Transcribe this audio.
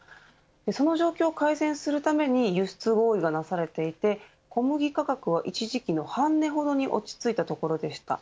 その状況を改善するために輸出合意がなされていて小麦価格は一時期の半値ほどに落ち着いたところでした。